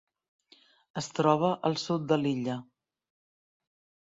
Es troba al sud de l'illa.